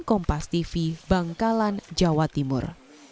kompas tv bangkalan jawa timur